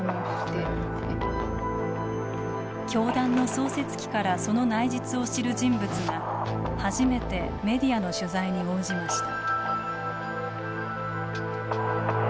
教団の創設期からその内実を知る人物が初めてメディアの取材に応じました。